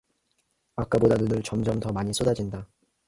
아까보다 눈은 점점 더 많이 쏟아진다.